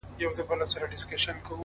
o چي ستا ديدن وي پكي كور به جوړ سـي،